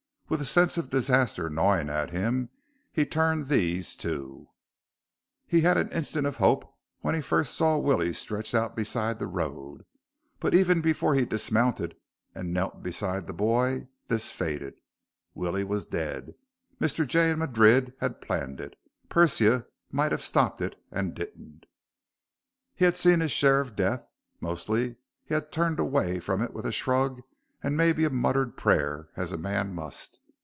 With a sense of disaster gnawing at him, he turned these, too. He had an instant of hope when he first saw Willie stretched out beside the road; but even before he dismounted and knelt beside the boy, this faded. Willie was dead. Mr. Jay and Madrid had planned it. Persia might have stopped it and didn't.... He had seen his share of death; mostly, he had turned away from it with a shrug and maybe a muttered prayer, as a man must.